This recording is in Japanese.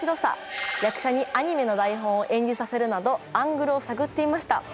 役者にアニメの台本を演じさせるなどアングルを探っていました。